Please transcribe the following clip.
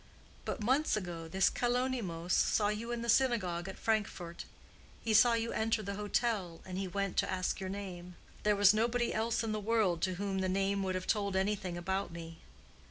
"But months ago this Kalonymos saw you in the synagogue at Frankfort. He saw you enter the hotel, and he went to ask your name. There was nobody else in the world to whom the name would have told anything about me."